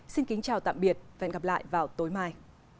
xin kính chào tạm biệt và hẹn gặp lại vào tối mai